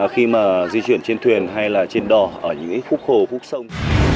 khi mà di chuyển trên thuyền hay là trên đỏ ở những khúc hồ khúc sông